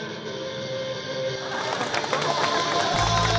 どうも！